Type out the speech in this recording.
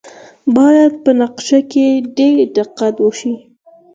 باید په نقشه کې ډیر دقت وشي